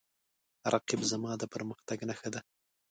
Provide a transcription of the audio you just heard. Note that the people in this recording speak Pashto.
رقیب زما د پرمختګ نښه ده